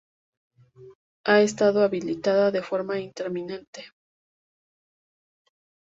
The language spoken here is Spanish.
Ha estado habitada de forma intermitente.